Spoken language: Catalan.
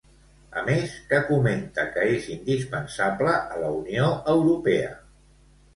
A més, què comenta que és indispensable a la Unió Europea?